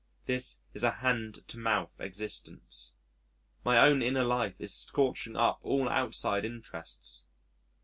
This is a hand to mouth existence. My own inner life is scorching up all outside interests.